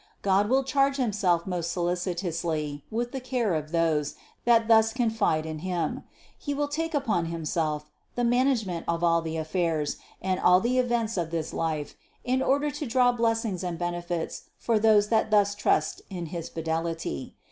God will charge himself most solicitously with the care of those that thus confide in Him; He will take upon Him self the management of all the affairs and all the events of this life in order to draw blessings and benefits for those that thus trust in his fidelity.